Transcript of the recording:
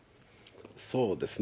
そうですね。